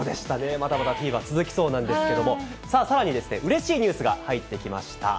まだまだフィーバー続きそうなんですけれども、さあ、さらにうれしいニュースが入ってきました。